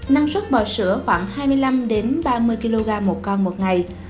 năng suất bò sữa khoảng hai mươi năm ba mươi kg một con một ngày